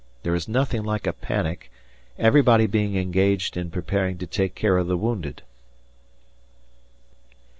There is nothing like a panic, everybody being engaged in preparing to take care of the wounded.